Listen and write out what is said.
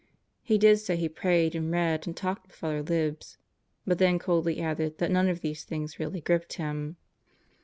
He did say he prayed and read and talked with Father Libs, but then coldly added that none of these things really gripped him.